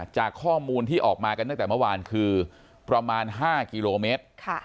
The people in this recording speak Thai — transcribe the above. จากข้อมูลที่ออกมากันตั้งแต่เมื่อวานคือประมาณ๕กิโลเมตร